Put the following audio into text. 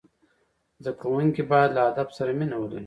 زدهکوونکي باید له ادب سره مینه ولري.